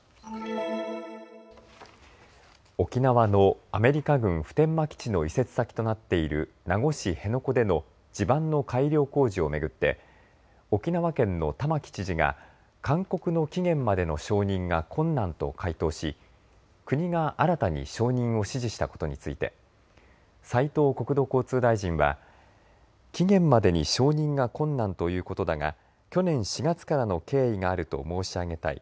沖縄のアメリカ軍普天間基地の移設先となっている名護市辺野古での地盤の改良工事を巡って沖縄県の玉城知事が勧告の期限までの承認が困難と回答し国が新たに承認を指示したことについて斉藤国土交通大臣は期限までに承認が困難ということだが去年４月からの経緯があると申し上げたい。